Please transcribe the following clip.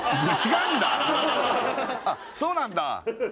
そうなんだ